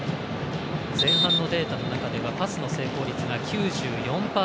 前半のデータの中ではパスの成功率が９４％。